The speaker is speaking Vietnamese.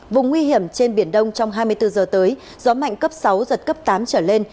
vùng nguy hiểm trên biển đông trong hai mươi bốn giờ tới gió mạnh cấp sáu giật cấp tám trở lên